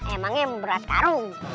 emangnya beras karung